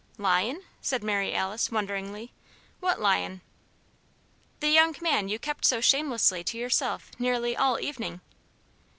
"Lion?" said Mary Alice, wonderingly. "What lion?" "The young man you kept so shamelessly to yourself nearly all evening."